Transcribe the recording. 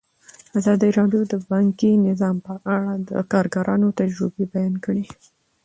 ازادي راډیو د بانکي نظام په اړه د کارګرانو تجربې بیان کړي.